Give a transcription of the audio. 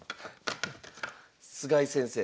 菅井先生。